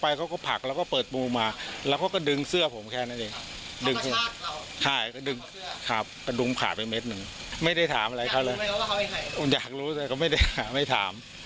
อยากรู้แต่ก็ไม่ได้หาไม่ถาม